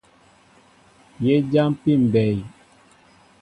Yé jáámpí mbɛy.